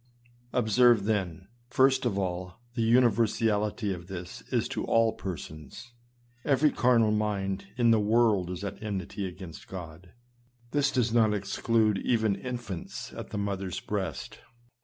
Observe then, first of all, the universality of this as to all persons. Every carnal mind in the world is at enmity against God. This does not exclude even infants at the mother's breast.